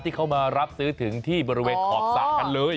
ที่เขามารับซื้อถึงที่บริเวณขอบสระกันเลย